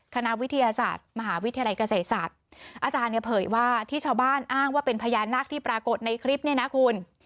คณะวิทยาศาสตร์มหาวิทยาลัยเกษตรศาสตร์อาจารย์เนี่ยเผยว่าที่ชาวบ้านอ้างว่าเป็นพญานาคที่ปรากฏในคลิปเนี่ยนะคุณ